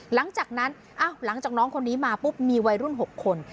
หลังจากนั้นหลังจากน้องคนนี้มาปุ๊บมีวัยรุ่น๖คน